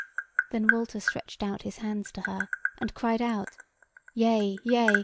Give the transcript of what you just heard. Then Walter stretched out his hands to her, and cried out: "Yea, yea!